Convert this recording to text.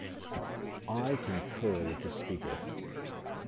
I concur with the speaker.